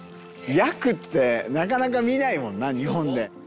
ヤクってなかなか見ないもんな日本で。